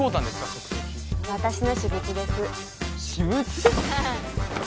測定器私の私物です私物？